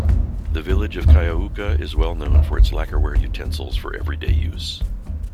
The village of Kyaukka is well known for its lacquerware utensils for everyday use.